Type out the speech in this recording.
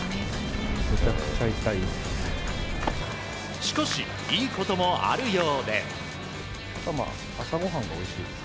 しかし、いいこともあるようで。